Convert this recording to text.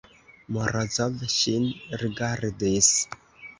Morozov ŝin rigardis.